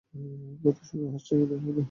আমার কথা শুনে হাসছ কেন?